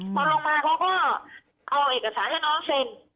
พอลงมาเขาก็เอาเอกสารให้น้องเซ็น